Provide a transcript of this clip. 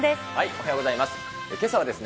おはようございます。